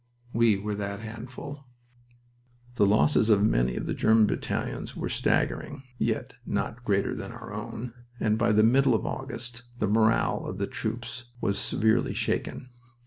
We were that handful." The losses of many of the German battalions were staggering (yet not greater than our own), and by the middle of August the morale of the troops was severely shaken.